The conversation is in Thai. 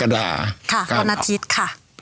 วันอาทิตย์ค่ะ